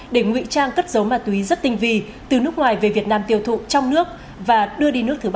để ngụy trang cất giấu ma túy rất tinh vi từ nước ngoài về việt nam tiêu thụ trong nước và đưa đi nước thứ ba